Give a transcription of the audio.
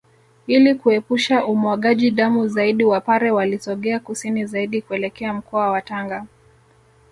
Ili kuepusha umwagaji damu zaidi Wapare walisogea kusini zaidi kuelekea mkoa wa Tanga